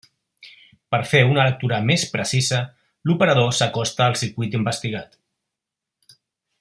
Per fer una lectura més precisa, l'operador s'acosta al circuit investigat.